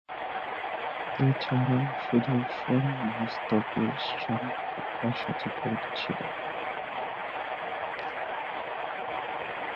এছাড়াও সুদর্শন মহাস্থবির সাংবাদিকতার সাথে জড়িত ছিলেন।